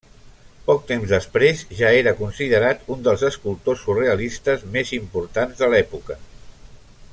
Poc temps després, ja era considerat un dels escultors surrealistes més importants de l'època.